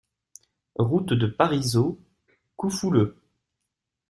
Route de Parisot, Coufouleux